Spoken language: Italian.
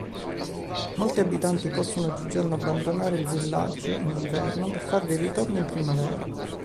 Molti abitanti possono oggigiorno abbandonare il villaggio in inverno per farvi ritorno in primavera.